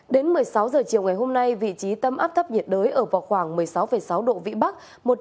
đến một mươi sáu h chiều ngày hôm nay vị trí tâm áp thấp nhiệt đới ở vào khoảng một mươi sáu sáu độ vĩ bắc